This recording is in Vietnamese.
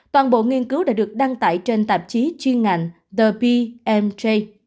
toàn bộ nghiên cứu đã được đăng tải trên tạp chí chuyên ngành the pmj